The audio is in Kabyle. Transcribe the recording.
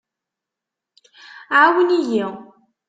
Ɛawen-iyi!